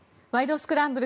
スクランブル」